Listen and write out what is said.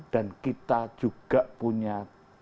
dan kita juga punya